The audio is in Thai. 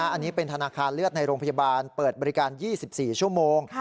อันนี้เป็นธนาคารเลือดในโรงพยาบาลเปิดบริการ๒๔ชั่วโมง